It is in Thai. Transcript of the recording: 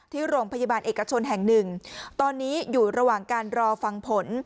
ที่โรงพยาบาลเอกชนแห่งหนึ่งตอนนี้อยู่ระหว่างการรอฟังผล